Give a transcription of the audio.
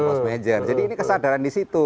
post manager jadi ini kesadaran di situ